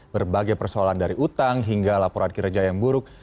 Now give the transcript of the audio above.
berbagai persoalan dari utang hingga laporan kinerja yang buruk